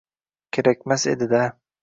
kerakmas edida.